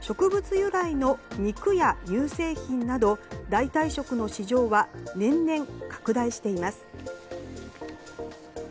由来の肉や乳製品など代替食の市場は年々拡大しています。